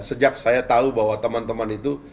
sejak saya tahu bahwa teman teman itu